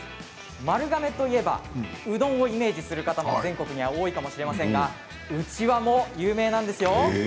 丸亀といえばうどんをイメージする方が全国には多いと思いますがうちわも有名なんですよ。